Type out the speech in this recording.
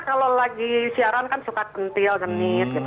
kalau lagi siaran kan suka centil gemit gitu